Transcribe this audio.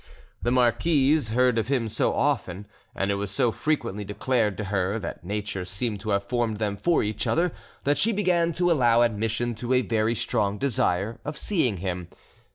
The marquise heard of him so often, and it was so frequently declared to her that nature seemed to have formed them for each other, that she began to allow admission to a very strong desire of seeing him.